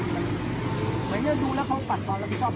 ตอนนี้กำหนังไปคุยของผู้สาวว่ามีคนละตบ